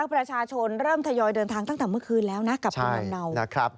ประชาชนเริ่มทยอยเดินทางตั้งแต่เมื่อคืนแล้วนะกับกลุ่มเหนา